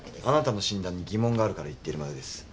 あなたの診断に疑問があるから言ってるまでです。